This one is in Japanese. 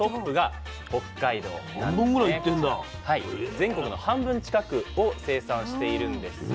全国の半分近くを生産しているんです。